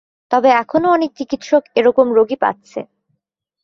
তবে এখনও অনেক চিকিৎসক এরকম রোগী পাচ্ছেন।